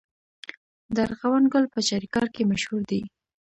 د ارغوان ګل په چاریکار کې مشهور دی.